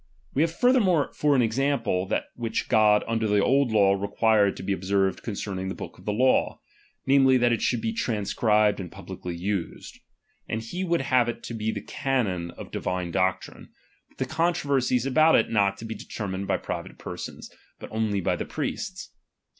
We have further ^M more for an example, that which God under the ^M old law required to be observed concerning the ^M book of the law ; namely, that it should be trans ^M cribed and publicly used ; and he would have it ^| to be the canon of divine doctrine, but the contro ^M versies about it not to be determined by private ^M persons, but only by the priests.